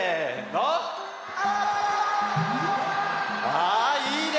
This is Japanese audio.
あいいね！